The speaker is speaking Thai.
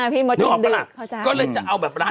พี่หมดกินดึกเขาออกประหลักก็เลยจะเอาแบบนั้น